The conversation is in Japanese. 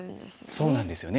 そうなんですよね。